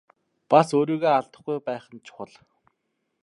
Бас өөрийгөө алдахгүй байх нь чухал.